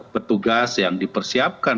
petugas yang dipersiapkan